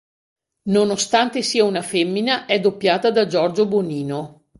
Nonostante sia una femmina, è doppiata da Giorgio Bonino.